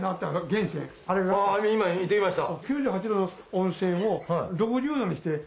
今行ってきました。